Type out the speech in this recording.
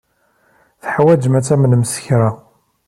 Teḥwajem ad tamnem s kra.